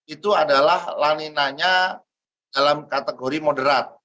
itu adalah laninanya dalam kategori moderat